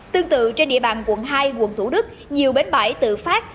tương tự trên địa bàn quận hai quận thủ đức nhiều bến bãi tự phát